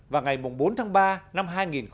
và ngày bốn tháng ba năm hai nghìn hai mươi